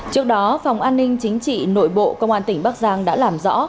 trước đó phòng an ninh chính trị nội bộ công an tỉnh bắc giang đã làm rõ